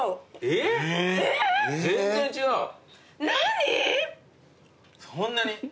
何⁉そんなに？